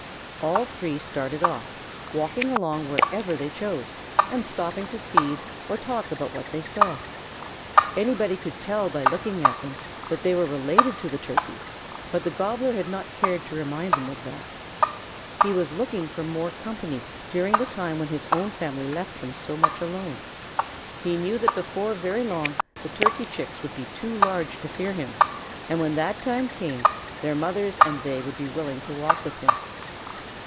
All three started off, walking along where ever they chose, and stopping to feed or to talk about what they saw. Anybody could tell by looking at them that they were related to the Turkeys, but the Gobbler had not cared to remind them of that. He was looking for more company during the time when his own family left him so much alone. He knew that before very long the Turkey Chicks would be too large to fear him, and that when that time came, their mothers and they would be willing to walk with him.